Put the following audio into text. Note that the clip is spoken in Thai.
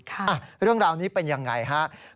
ค่ะเรื่องราวนี้เป็นอย่างไร